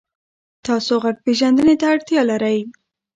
تاسو غږ پېژندنې ته اړتیا لرئ.